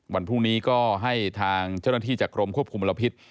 วันพรุ่งนี้ก็ให้ทางเจ้าหน้าที่จากกรมควบคุมมลพิษ